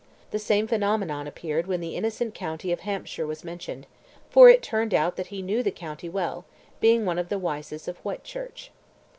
The same phenomenon appeared when the innocent county of Hampshire was mentioned, for it turned out that he knew the county well, being one of the Wyses of Whitchurch.